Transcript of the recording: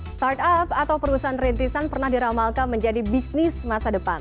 startup atau perusahaan rintisan pernah diramalkan menjadi bisnis masa depan